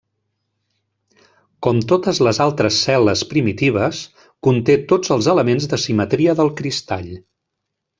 Com totes les altres cel·les primitives, conté tots els elements de simetria del cristall.